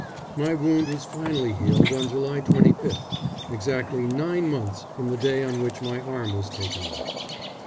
My wound was finally healed on July 25th, exactly nine months from the day on which my arm was taken off.